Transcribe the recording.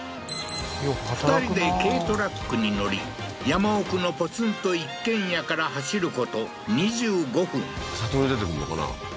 ２人で軽トラックに乗り山奥のポツンと一軒家から走ること２５分里に出てくるのかな？